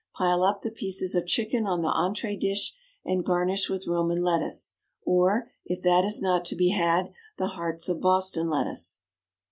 Pile up the pieces of chicken on the entrée dish, and garnish with Roman lettuce, or, if that is not to be had, the hearts of Boston lettuce.